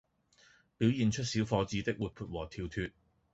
表現出小伙子的活潑和跳脫